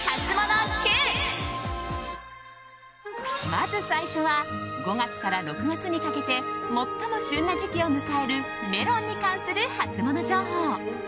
まず最初は５月から６月にかけて最も旬な時期を迎えるメロンに関するハツモノ情報。